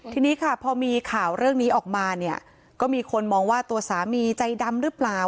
ทีนี้ค่ะพอมีข่าวเรื่องนี้ออกมาเนี่ยก็มีคนมองว่าตัวสามีใจดำหรือเปล่า